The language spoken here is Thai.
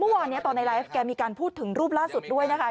เมื่อวานตอนในไลฟ์แกมีการพูดถึงรูปล่าสุดด้วยนะคะ